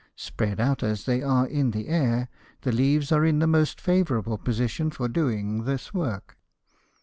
Spread out as they are in the air, the leaves are in the most favorable position for doing this work.